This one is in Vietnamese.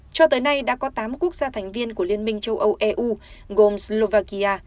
cho tới nay đã có tám quốc gia thành viên của liên minh châu âu eu gồm slovakia